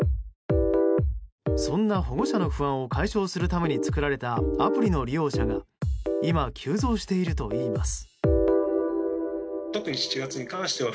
そんな保護者の不安を解消するために作られたアプリの利用者が今、急増しているといいます。